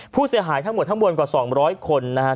ผู้เสียหายทั้งหมดทั้งมวลกว่า๒๐๐คนนะครับ